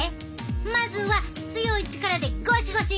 まずは強い力でゴシゴシいくで！